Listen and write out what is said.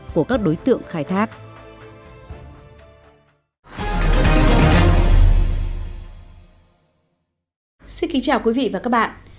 xin kính chào quý vị và các bạn